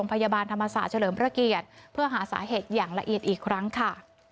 พยาบาลธรรมศาสตร์เฉลิมพระเกียรติเพื่อหาสาเหตุอย่างละเอียดอีกครั้งค่ะ